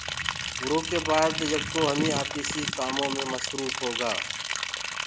اُرو ڪي باد يڪو همي آفيٚسيٚ ڪآ ڪآم ڪارآ مي مسروڦ هوگآ۔